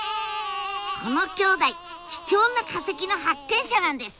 この兄弟貴重な化石の発見者なんです！